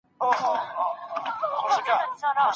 ایا موږ به له ډاره ماڼۍ ړنګه کړو؟